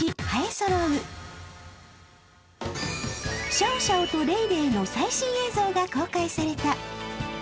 シャオシャオとレイレイの最新映像が公開された。